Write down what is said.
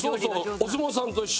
お相撲さんと一緒。